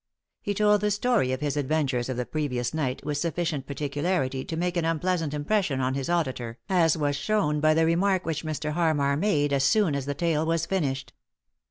He told the story of his adventures of the previous night with sufficient particularity to make an unpleasant impression on his auditor, as was shown by the remark which Mr. Harmar made as soon as the tale was finished.